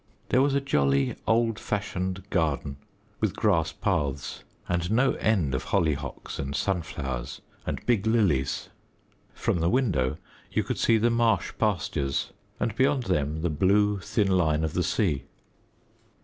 There was a jolly old fashioned garden, with grass paths, and no end of hollyhocks and sunflowers, and big lilies. From the window you could see the marsh pastures, and beyond them the blue, thin line of the sea.